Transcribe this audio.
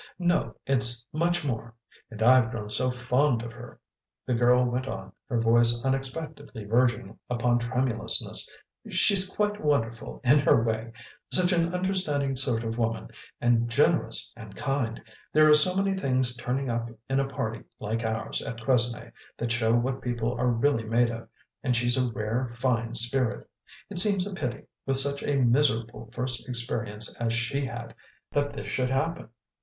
"No, it's much more. And I've grown so fond of her!" the girl went on, her voice unexpectedly verging upon tremulousness. "She's quite wonderful in her way such an understanding sort of woman, and generous and kind; there are so many things turning up in a party like ours at Quesnay that show what people are really made of, and she's a rare, fine spirit. It seems a pity, with such a miserable first experience as she had, that this should happen.